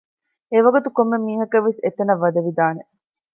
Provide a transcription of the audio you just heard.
އެވަގުތު ކޮންމެ މީހަކަށްވެސް އެތަނަށް ވަދެވިދާނެ